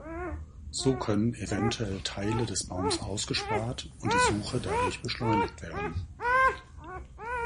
So können eventuell Teile des Baums ausgespart und die Suche dadurch beschleunigt werden.